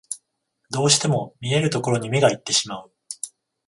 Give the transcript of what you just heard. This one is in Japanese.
どうしても見えるところに目がいってしまう